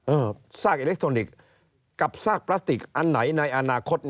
ซากอิเล็กทรอนิกส์กับซากพลาสติกอันไหนในอนาคต